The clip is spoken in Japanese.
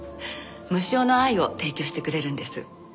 無償の愛を提供してくれるんです。